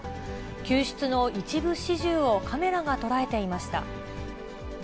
救出の一部始終をカメラが捉えていました。